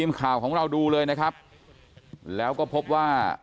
มันก็ไม่โอเคเท่าไร